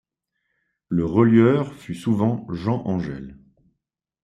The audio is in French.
Le relieur fut souvent Jean Engel.